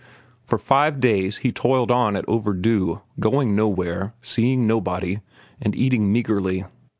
For five days he toiled on at "Overdue," going nowhere, seeing nobody, and eating meagrely.